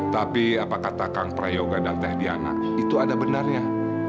tapi apakah takang prayoga dan teh diana itu ada benarnya